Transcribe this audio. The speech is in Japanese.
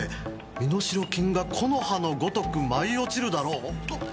身代金が木の葉のごとく舞い落ちるだろう」！？